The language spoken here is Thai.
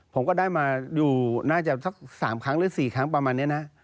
ผมก็ได้มาดูน่าจะสัก๓ครั้งหรือ๔ครั้งประมาณนี้นะ